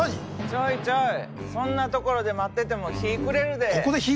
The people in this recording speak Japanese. ちょいちょいそんなところで待ってても日ぃ暮れるで。